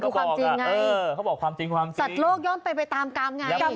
ความจริงคือความจริงศัตรูโลกย่อมไปไปตามกรรมไง